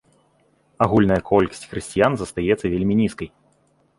Агульная колькасць хрысціян застаецца вельмі нізкай.